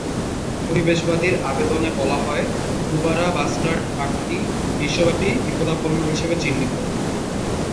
পরিবেশবাদীর আবেদনে বলা হয়, হুবারা বাস্টার্ড পাখিটি বিশ্বব্যাপী বিপদাপন্ন হিসেবে চিহ্নিত।